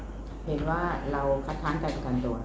เห็นว่าเราคัดท้านกันกันตัว